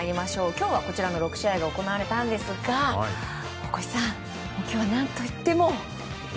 今日はこちらの６試合が行われたんですが大越さん、今日は何といっても。